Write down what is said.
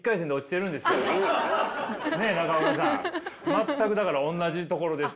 全くだからおんなじところです